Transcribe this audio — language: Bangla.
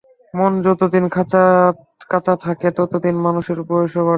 মন যত দিন কাঁচা থাকে, তত দিন মানুষের বয়স বাড়ে না।